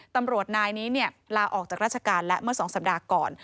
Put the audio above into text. ตำรวจนายนี้ลาออกจากราชการและเมื่อ๒สัปดาห์ก่อน